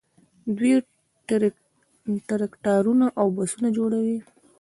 دوی ټراکټورونه او بسونه جوړوي.